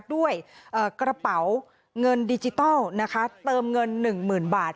ด้วยกระเป๋าเงินดิจิทัลนะคะเติมเงินหนึ่งหมื่นบาท